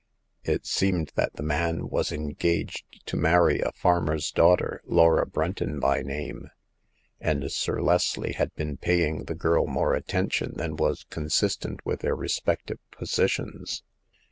It seemed that the man was engaged to marry a farmer's daughter, Laura Brenton by name ; and Sir LesUe had been paying the girl more atten tion than was consistent with their respective positions.